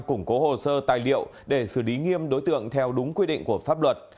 củng cố hồ sơ tài liệu để xử lý nghiêm đối tượng theo đúng quy định của pháp luật